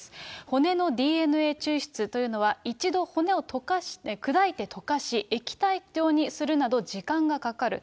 骨のＤＮＡ抽出というのは、一度骨を溶かして、砕いて溶かし、液体状にするなど、時間がかかる。